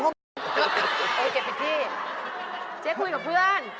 เอ้ยเจ๊ปัจจี้เจ๊คุยกับเพื่อน